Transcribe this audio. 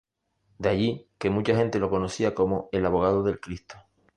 De allí que mucha gente lo conocía como "el abogado del Cristo".